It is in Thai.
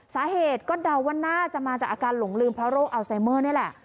สาเหตุก็เดาว่าน่าจะมาจากอาการหลงลืมเพราะโรคอัลไซเมอร์นี่แหละ